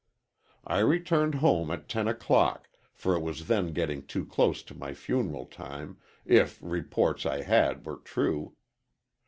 "I returned home at ten o'clock, for it was then getting too close to my funeral time, if reports I had were true.